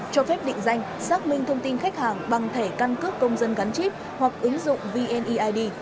cho phép định danh xác minh thông tin khách hàng bằng thẻ căn cước công dân gắn chip hoặc ứng dụng vneid